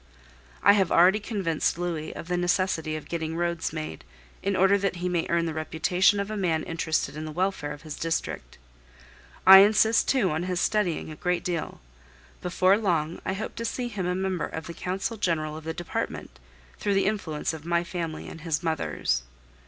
I have already convinced Louis of the necessity of getting roads made, in order that he may earn the reputation of a man interested in the welfare of his district. I insist too on his studying a great deal. Before long I hope to see him a member of the Council General of the Department, through the influence of my family and his mother's.